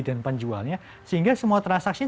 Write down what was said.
dan penjualnya sehingga semua transaksinya